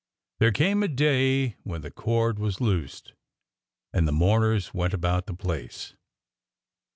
There came a day when the cord was loosed, — and the mourners went about the place.